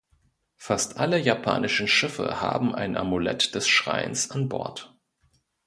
Fast alle japanischen Schiffe haben ein Amulett des Schreins an Bord.